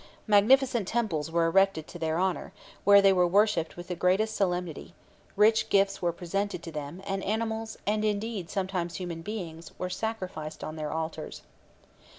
Magnificent temples were erected to their honour, where they were worshipped with the greatest solemnity; rich gifts were presented to them, and animals, and indeed sometimes human beings, were sacrificed on their altars.